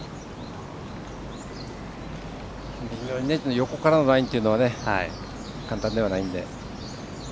横からのラインというのは簡単ではないので。